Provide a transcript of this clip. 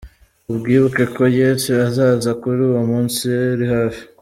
Mwibuke ko Yesu azaza kuli uwo munsi uri hafi.